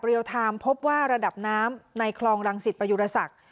รียวทรามน์พบว่าราดับน้ำในคลองรังสิทธิประยุรสักษ์